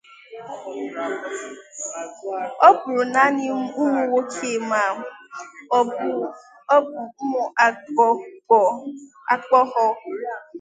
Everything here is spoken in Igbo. ọ bụrụ naani ụmụnwoke ma ọ bụ ụmụagbọhọ